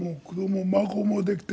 孫もできて。